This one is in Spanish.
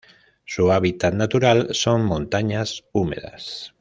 Su hábitat natural son: montañas húmedas.